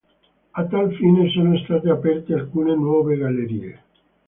A tal fine sono state aperte alcune nuove gallerie.